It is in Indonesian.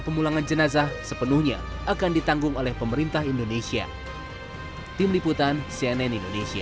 pemulangan jenazah sepenuhnya akan ditanggung oleh pemerintah indonesia tim liputan cnn indonesia